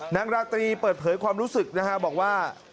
ราตรีเปิดเผยความรู้สึกนะฮะบอกว่า